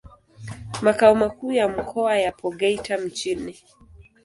Makao makuu ya mkoa yapo Geita mjini.